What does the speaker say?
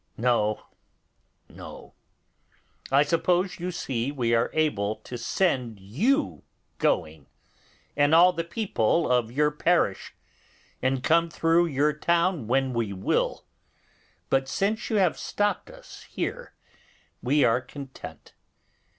No, no; I suppose you see we are able to send you going, and all the people of your parish, and come through your town when we will; but since you have stopped us here, we are content.